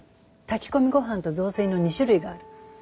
炊き込みごはんと雑炊の２種類がある。